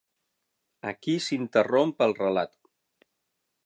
Aquí s'interromp el relat.